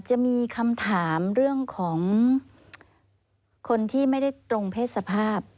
จะมีคำถามเรื่องของคนที่ไม่ได้ตรงเพศสภาพ